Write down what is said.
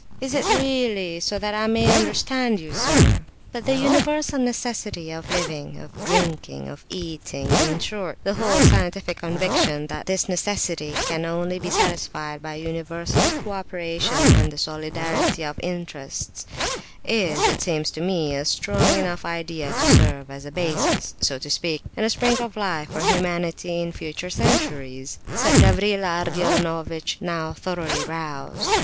Is it really so that I may understand you, sir?" "But the universal necessity of living, of drinking, of eating—in short, the whole scientific conviction that this necessity can only be satisfied by universal co operation and the solidarity of interests—is, it seems to me, a strong enough idea to serve as a basis, so to speak, and a 'spring of life,' for humanity in future centuries," said Gavrila Ardalionovitch, now thoroughly roused.